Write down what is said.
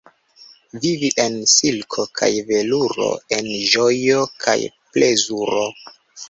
Vivi en silko kaj veluro, en ĝojo kaj plezuro.